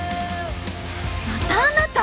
またあなた？